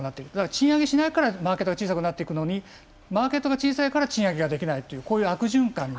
賃上げしないからマーケットが小さくなるのにマーケットが小さいから賃上げできないという悪循環。